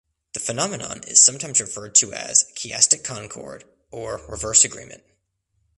The phenomenon is sometimes referred to as "chiastic concord" or "reverse agreement".